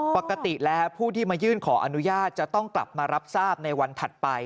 ปกติแล้วผู้ที่มายื่นขออนุญาตจะต้องกลับมารับทราบในวันถัดไป